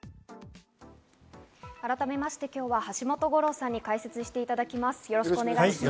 改めて今日は橋本五郎さんに解説していただきます。